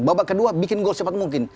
babak kedua bikin gol secepat mungkin